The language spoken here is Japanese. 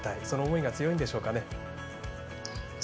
その思いが強いんでしょうか。